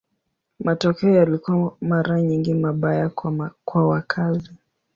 Matokeo yalikuwa mara nyingi mabaya kwa wakazi.